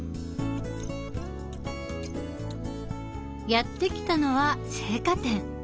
やって来たのは青果店。